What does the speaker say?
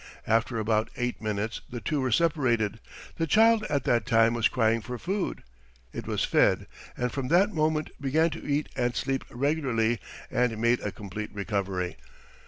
After about eight minutes the two were separated. The child at that time was crying for food. It was fed, and from that moment began to eat and sleep regularly, and made a complete recovery.